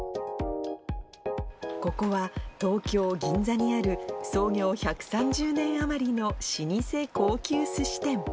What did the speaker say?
ここは、東京・銀座にある、創業１３０年余りの老舗高級すし店。